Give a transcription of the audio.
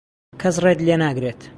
کەس ڕێت لێ ناگرێت.